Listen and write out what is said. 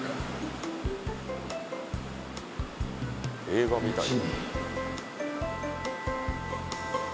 映画みたい。